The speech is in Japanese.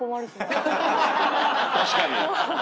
確かに。